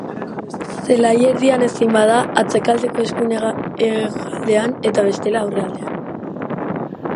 Zelai-erdian ezin bada, atzealdeko eskuin-hegalean eta bestela, aurrealdean.